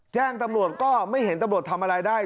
แจ้งตำรวจก็ไม่เห็นตำรวจทำอะไรได้